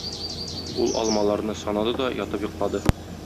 Ул алмаларны санады да ятып йоклады.